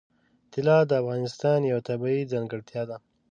طلا د افغانستان یوه طبیعي ځانګړتیا ده.